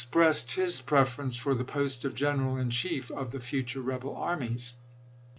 pressed his preference for the post of General in Chief of the future rebel armies.